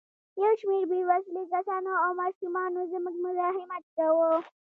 یو شمېر بې وسلې کسانو او ماشومانو زموږ مزاحمت کاوه.